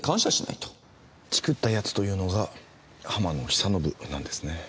チクった奴というのが浜野久信なんですね。